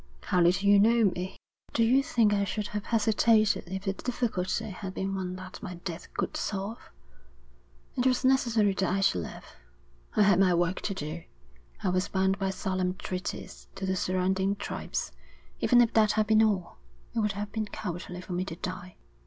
How little you know me! Do you think I should have hesitated if the difficulty had been one that my death could solve? It was necessary that I should live. I had my work to do. I was bound by solemn treaties to the surrounding tribes. Even if that had been all, it would have been cowardly for me to die.'